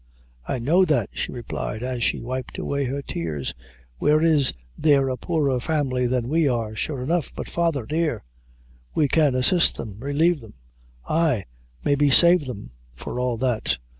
"I know that," she replied, as she wiped away the tears; "where is there a poorer family than we are, sure enough? but, father, dear; we can assist them relieve them; ay, maybe save them for all that."